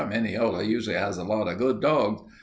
Mineola usually has a lot of good dogs.